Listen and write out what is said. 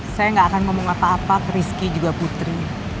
saya gak akan ngomong apa apa rizky juga putri